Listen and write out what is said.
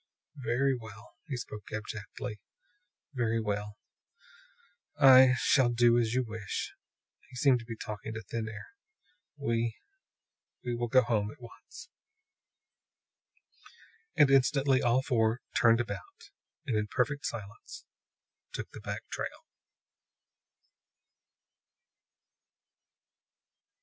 "Very well," he spoke abjectly. "Very well. I shall do as you wish." He seemed to be talking to thin air. "We will go home at once." And instantly all four turned about, and in perfect silence took the back trail.